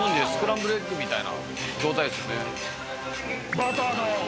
バターだ！